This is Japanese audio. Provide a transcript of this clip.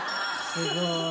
すごい。